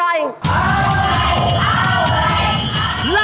เท่าไหร่เท่าไหร่